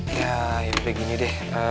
ya ya udah gini deh